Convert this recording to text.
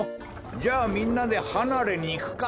じゃあみんなではなれにいくか。